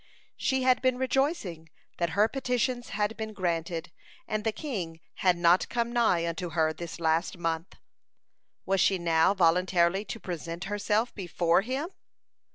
She had been rejoicing that her petitions had been granted, and the king had not come nigh unto her this last month. Was she now voluntarily to present herself before him?